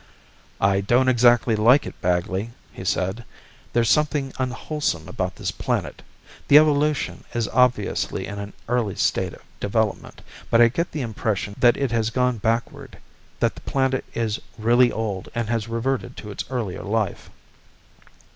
"I don't exactly like it, Bagley," he said. "There's something unwholesome about this planet. The evolution is obviously in an early state of development, but I get the impression that it has gone backward; that the planet is really old and has reverted to its earlier life."